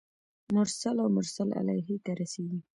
مرسل او مرسل الیه ته رسیږي.